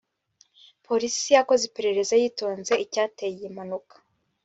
polisi yakoze iperereza yitonze icyateye iyi mpanuka